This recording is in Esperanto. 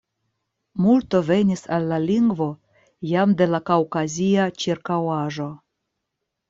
Multo venis al la lingvo jam de la kaŭkazia ĉirkaŭaĵo.